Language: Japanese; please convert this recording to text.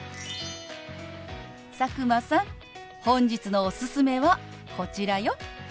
佐久間さん本日のおすすめはこちらよ。